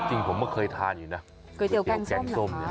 จริงผมก็เคยทานอยู่นะก๋วยเตี๋ยวกลางส้ม